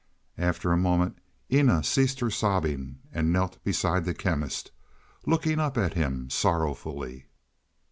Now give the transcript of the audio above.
After a moment Eena ceased her sobbing and knelt beside the Chemist, looking up at him sorrowfully.